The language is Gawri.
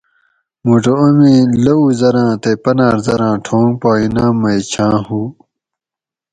موٹو امی لوؤ زراں تے پناۤر ذراں ٹھونگ پا انعام مئ چھاۤں ہو